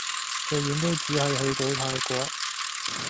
最遠都只係去到泰國